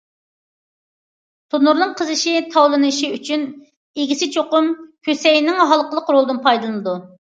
تونۇرنىڭ قىزىشى، تاۋلىنىشى ئۈچۈن ئىگىسى چوقۇم كۆسەينىڭ ھالقىلىق رولىدىن پايدىلىنىدۇ.